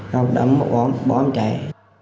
rồi ông bỏ ông chạy